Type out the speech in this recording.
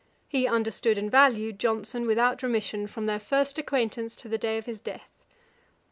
He understood and valued Johnson, without remission, from their first acquaintance to the day of his death.